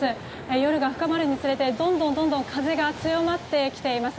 夜が深まるにつれ、どんどん風が強まってきています。